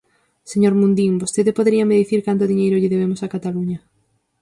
Señor Mundín, ¿vostede poderíame dicir canto diñeiro lle debemos a Cataluña?